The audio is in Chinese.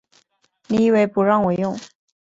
你以为不让我用